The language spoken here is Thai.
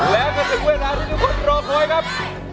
แล้วก็ถึงเวลาที่ทุกคนรอคอยครับ